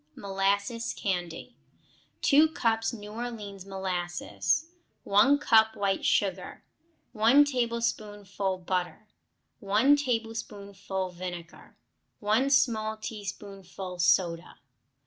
Molasses Candy 2 cups New Orleans molasses. 1 cup white sugar. 1 tablespoonful butter. 1 tablespoonful vinegar. 1 small teaspoonful soda.